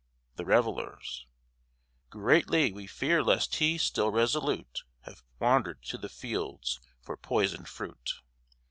THE REVELLERS Greatly we fear lest he, still resolute, Have wandered to the fields for poisoned fruit.